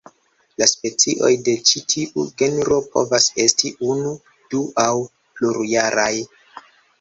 La specioj de ĉi tiu genro povas esti unu, du- aŭ plurjaraj.